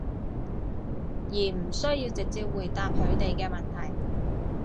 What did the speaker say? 而唔需要直接回答佢哋嘅問題